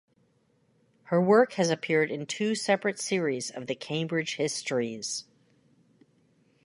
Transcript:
Her work has appeared in two separate series of the Cambridge histories.